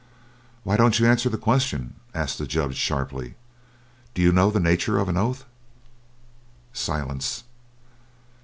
"Why don't you answer the question?" asked the Judge sharply. "Do you know the nature of an oath?" Silence.